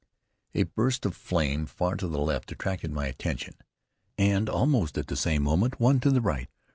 A burst of flame far to the left attracted my attention, and almost at the same moment, one to the right.